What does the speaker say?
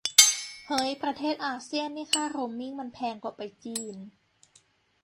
เฮ้ยประเทศอาเซียนนี่ค่าโรมมิ่งมันแพงกว่าไปจีน